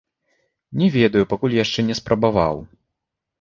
Не ведаю, пакуль яшчэ не спрабаваў.